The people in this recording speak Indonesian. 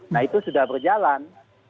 nah itu sudah berjalan